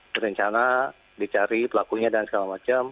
berencana dicari pelakunya dan segala macam